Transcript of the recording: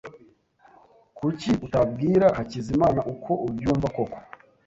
Kuki utabwira Hakizimana uko ubyumva koko?